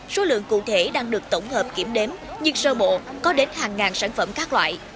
số lượng cụ thể đang được tổng hợp kiểm đếm nhưng sơ bộ có đến hàng ngàn sản phẩm các loại